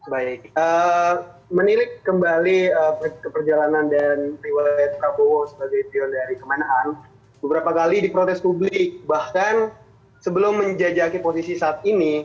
beberapa kali diprotes publik bahkan sebelum menjajaki posisi saat ini